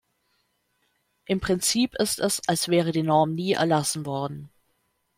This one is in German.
Im Prinzip ist es, als wäre die Norm nie erlassen worden.